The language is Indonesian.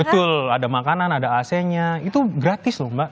betul ada makanan ada ac nya itu gratis loh mbak